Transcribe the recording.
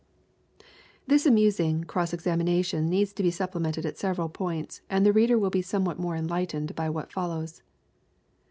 This amusing cross examination needs to be sup plemented at several points and the reader will be somewhat more enlightened by what follows.